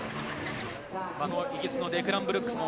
イギリスのデクラン・ブルックス。